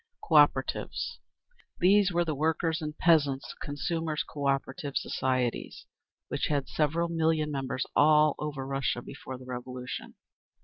_ 6. Cooperatives. These were the workers' and peasants' Consumers' Cooperative societies, which had several million members all over Russia before the Revolution.